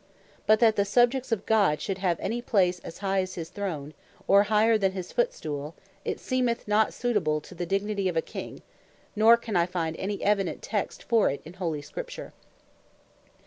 But that the Subjects of God should have any place as high as his throne, or higher than his Footstoole, it seemeth not sutable to the dignity of a King, nor can I find any evident text for it in holy Scripture.